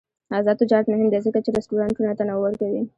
آزاد تجارت مهم دی ځکه چې رستورانټونه تنوع ورکوي.